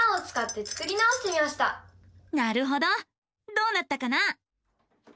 どうなったかな？